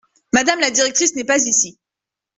Madame la directrice n’est pas ici.